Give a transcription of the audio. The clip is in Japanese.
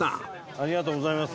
ありがとうございます。